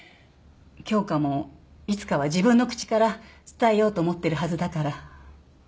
京花もいつかは自分の口から伝えようと思ってるはずだから。